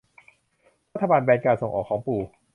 รัฐบาลแบนการส่งออกของปู